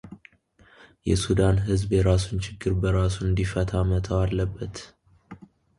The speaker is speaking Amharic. የሱዳን ህዝብ የራሱን ችግር በራሱ እንዲፈታ መተው አለበት